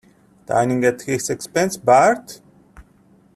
Dining at his expense, Bart?